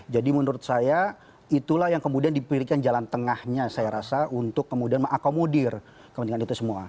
jadi menurut saya itulah yang kemudian dipilihkan jalan tengahnya saya rasa untuk kemudian mengakomodir kepentingan itu semua